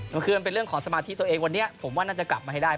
ก็คือมันเป็นเรื่องของสมาธิตัวเองวันนี้ผมว่าน่าจะกลับมาให้ได้